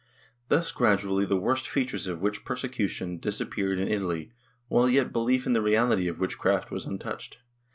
^ Thus gradually the worst features of witch persecution dis appeared in Italy, while yet belief in the reality of witchcraft was untouched.